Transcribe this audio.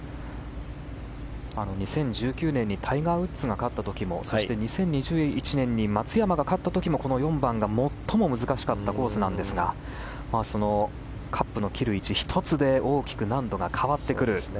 ２０１９年にタイガー・ウッズが勝った時もそして２０２１年に松山が勝った時もこの４番が最も難しかったコースなんですがカップの切る位置一つで大きく難度が変わってくる。